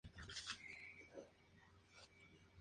Hojas opuestas, simples, los márgenes dentados.